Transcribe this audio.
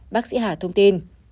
bác sĩ hà thông tin